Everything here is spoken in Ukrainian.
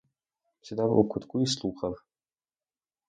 Сідав у кутку й слухав.